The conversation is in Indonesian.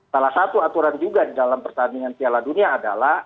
salah satu aturan juga dalam pertandingan piala dunia adalah